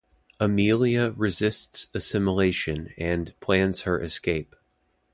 Amelia resists assimilation and plans her escape.